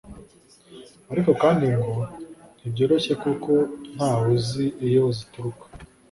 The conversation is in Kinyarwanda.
ariko kandi ngo ntibyoroshye kuko ntawe uzi iyo zituruka